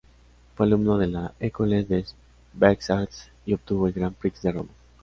Fue alumno de la École des Beaux-Arts y obtuvo el Gran Prix de Roma.